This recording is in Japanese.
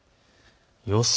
予想